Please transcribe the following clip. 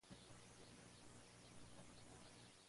Habita en África, especialmente en el sur.